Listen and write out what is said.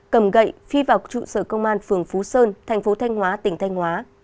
cầm gậy phi vào trụ sở công an phường phú sơn thành phố thanh hóa tỉnh thanh hóa